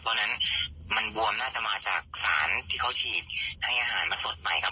เพราะฉะนั้นมันบวมน่าจะมาจากสารที่เขาฉีดให้อาหารมาสดใหม่ครับ